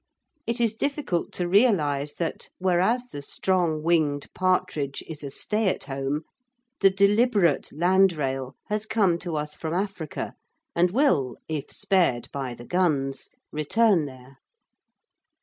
It is difficult to realise that, whereas the strong winged partridge is a stay at home, the deliberate landrail has come to us from Africa and will, if spared by the guns, return there.